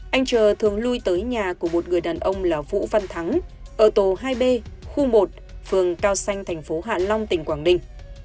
anh trờ thường lui tới nhà của một người đàn ông là vũ văn thắng ở tổ hai b khu một phường cao xanh thành phố hạ long tỉnh quảng ninh